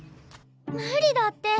無理だって。